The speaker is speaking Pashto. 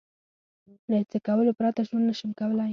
له څه کولو پرته ژوند نشم کولای؟